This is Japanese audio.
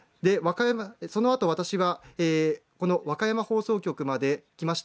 そのあと私は、この和歌山放送局まで来ました。